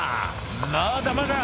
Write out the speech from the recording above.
まだまだ！」